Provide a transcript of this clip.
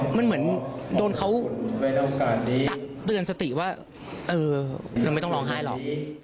มันเหมือนโดนเขาตักเตือนสติว่าเออเราไม่ต้องร้องไห้หรอก